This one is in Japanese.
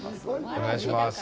お願いします。